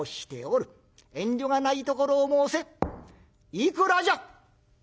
いくらじゃ？」。